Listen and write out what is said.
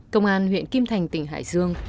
công an huyện kim thành tỉnh hải dương